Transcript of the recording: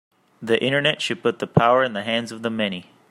The Internet should put the power in the hands of the many.